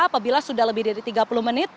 apabila sudah lebih dari tiga puluh menit